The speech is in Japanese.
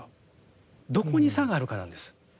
どこに差があるかなんです。